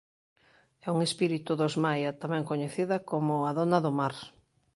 É un espírito dos Maia tamén coñecida como "a dona do mar".